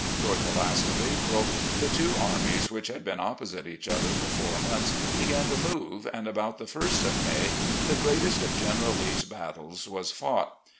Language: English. Toward the last of April, the two armies, which had been opposite each other for fotur months, began to move, and, about the first of May, the greatest of General Lee's battles was fought.